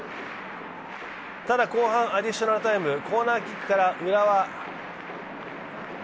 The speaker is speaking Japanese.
ただ、後半アディショナルタイムコーナーキックから浦和。